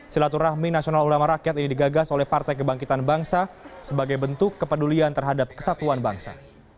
silaturahmi nasional ulama rakyat ini digagas oleh partai kebangkitan bangsa sebagai bentuk kepedulian terhadap kesatuan bangsa